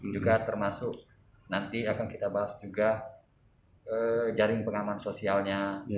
juga termasuk nanti akan kita bahas juga jaring pengaman sosialnya